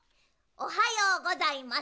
おはようございます！